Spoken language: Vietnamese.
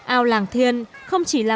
ao làng thiên không chỉ là